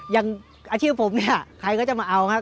อย่างอาชีพผมเนี่ยใครก็จะมาเอาครับ